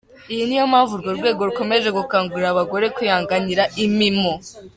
Iyo niyo mpamvu urwo rwego rukomeje gukangurira abagore kwihangira imimo.